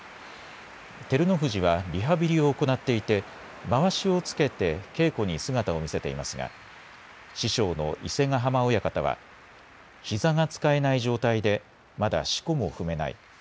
照ノ富士はリハビリを行っていて、まわしをつけて稽古に姿を見せていますが、師匠の伊勢ヶ濱親方は、ひざが使えない状態で、まだしこも踏めない。